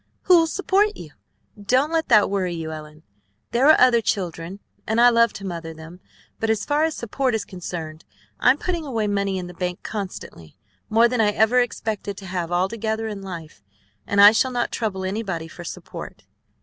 Who'll support you?" "Don't let that worry you, Ellen, There are other children, and I love to mother them. But as far as support is concerned I'm putting away money in the bank constantly, more than I ever expected to have all together in life; and I shall not trouble anybody for support.